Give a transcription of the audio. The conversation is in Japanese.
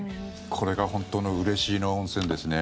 これが本当のうれしいの温泉ですね。